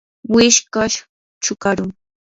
wishkash chukarum.